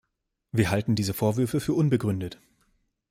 Wir halten diese Vorwürfe für unbegründet.